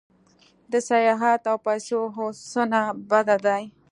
د سیاحت او پیسو هوسونه بد دي.